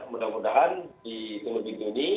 mudah mudahan di teluk juni